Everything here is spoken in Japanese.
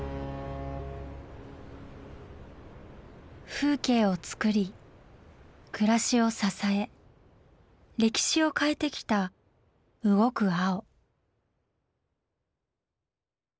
風景をつくり暮らしを支え歴史を変えてきた動く青。